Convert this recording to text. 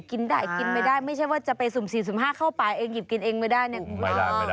กินได้กินไม่ได้ไม่ใช่ว่าจะไปสุ่มสี่สุ่มห้าเข้าไปเองหยิบกินเองไม่ได้